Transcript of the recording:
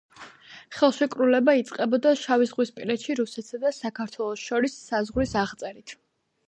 ხელშეკრულება იწყებოდა შავიზღვისპირეთში რუსეთსა და საქართველოს შორის საზღვრის აღწერით.